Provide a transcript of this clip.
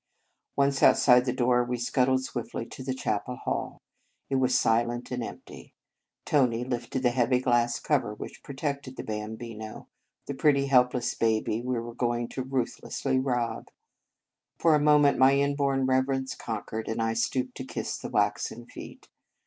Once outside the door, we scuttled swiftly to the chapel hall. It was silent and empty. Tony lifted the heavy glass cover which protected the Bambino, the pretty, helpless baby we were going to ruthlessly rob. For a moment my inborn reverence conquered, and I stooped to kiss the waxen feet.